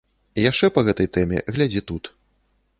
Яшчэ па гэтай тэме глядзі тут.